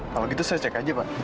kalau gitu saya cek aja pak